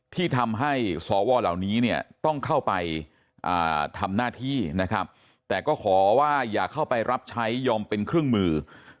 ที่ทำให้สวเหล่านี้เนี่ยต้องเข้าไปทำหน้าที่นะครับแต่ก็ขอว่าอย่าเข้าไปรับใช้ยอมเป็นเครื่องมือ